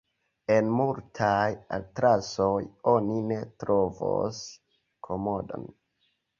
En multaj atlasoj oni ne trovos Komodon.